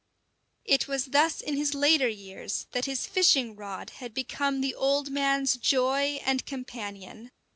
It was thus in his later years that his fishing rod had become the old man's joy and companion.